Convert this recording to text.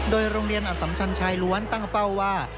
โดยโรงเรียนอสัมชันชายล้วนตั้งเป้าว่า